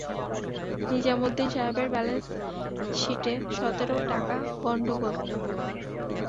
নিজামুদ্দিন সাহেবের ব্যালেন্স শীটে সতের টাকার গণ্ডগোল।